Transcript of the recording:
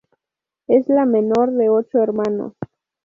Es la menor de ocho hermanos.